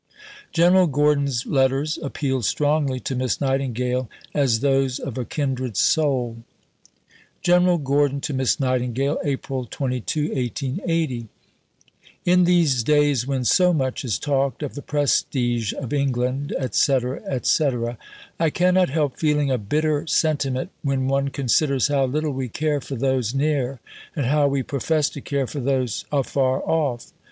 General Gordon's letters appealed strongly to Miss Nightingale as those of a kindred soul: (General Gordon to Miss Nightingale.) April 22 . In these days when so much is talked of the prestige of England, &c., &c. I cannot help feeling a bitter sentiment when one considers how little we care for those near and how we profess to care for those afar off.